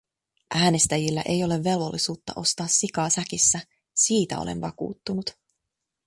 Äänestäjillä ei ole velvollisuutta ostaa sikaa säkissä, siitä olen vakuuttunut.